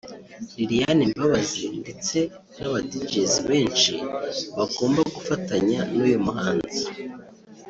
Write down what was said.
Liliane Mbabazi ndetse n’aba Djs benshi bagomba gufatanya n’uyu muhanzi